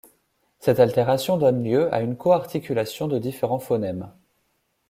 Cette altération donne lieu à une co-articulation de différents phonèmes.